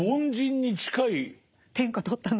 天下取ったのに。